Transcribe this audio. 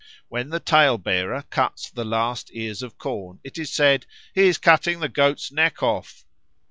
When the tail bearer cuts the last ears of corn, it is said, "He is cutting the Goat's neck off."